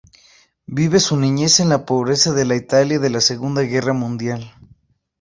Vive su niñez en la pobreza de la Italia de la Segunda Guerra Mundial.